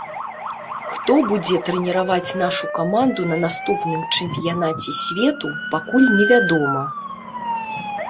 Хто будзе трэніраваць нашу каманду на наступным чэмпіянаце свету, пакуль невядома.